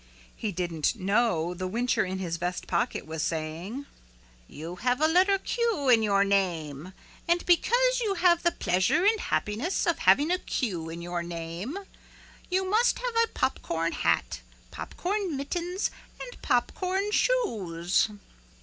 He didn't know the whincher in his vest pocket was saying, "You have a letter Q in your name and because you have the pleasure and happiness of having a Q in your name you must have a popcorn hat, popcorn mittens and popcorn shoes."